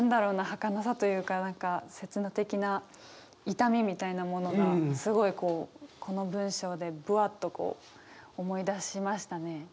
はかなさというか何か刹那的な痛みみたいなものがすごいこうこの文章でぶわっとこう思い出しましたね。